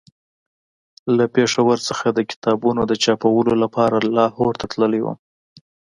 له پېښور څخه د کتابونو چاپولو لپاره لاهور ته تللی وم.